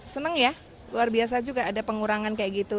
senang ya luar biasa juga ada pengurangan kayak gitu